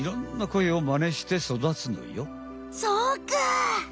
そうか！